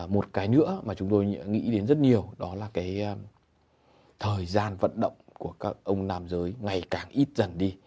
một cái nữa mà chúng tôi nghĩ đến rất nhiều đó là cái thời gian vận động của các ông nam giới ngày càng ít dần đi